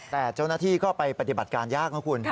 แต่เจ้าหน้าที่ก็ไปปฏิบัติการยากนะคุณ